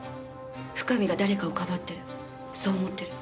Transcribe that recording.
深見が誰かを庇ってるそう思ってる。